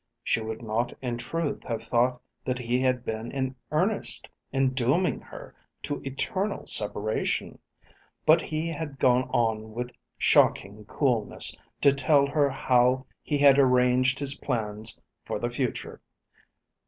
She would not in truth have thought that he had been in earnest in dooming her to eternal separation. But he had gone on with shocking coolness to tell her how he had arranged his plans for the future.